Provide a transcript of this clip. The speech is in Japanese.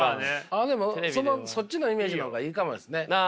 ああでもそっちのイメージの方がいいかもですね。